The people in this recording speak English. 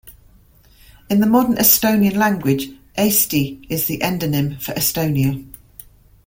In the modern Estonian language, "Eesti" is the endonym for "Estonia".